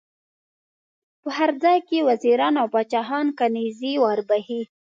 په هر ځای کې وزیران او پاچاهان کنیزي ور بخښي.